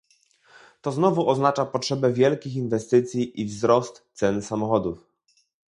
To znowu oznacza potrzebę wielkich inwestycji i wzrost cen samochodów